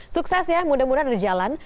sukses ya mudah mudahan berjalan